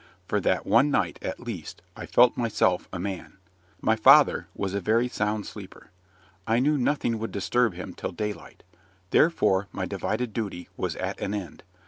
For that one night, at least, I felt myself a man. My father was a very sound sleeper. I knew nothing would disturb him till daylight; therefore my divided duty was at an end.